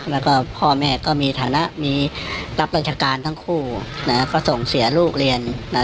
แล้วก็พ่อแม่ก็มีฐานะมีรับราชการทั้งคู่ก็ส่งเสียลูกเรียน